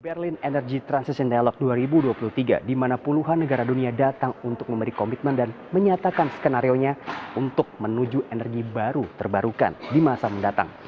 berlin energy transition dialog dua ribu dua puluh tiga di mana puluhan negara dunia datang untuk memberi komitmen dan menyatakan skenario nya untuk menuju energi baru terbarukan di masa mendatang